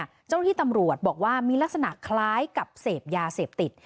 เจ้าหน้าที่ตำรวจบอกว่ามีลักษณะคล้ายกับเสพยาเสพติด